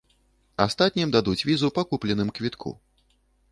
Астатнім дадуць візу па купленым квітку.